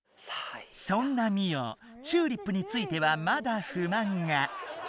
そんなミオ「チューリップ」についてはまだふまんが。